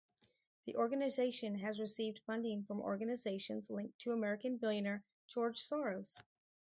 The organization has received funding from organizations linked to American billionaire George Soros.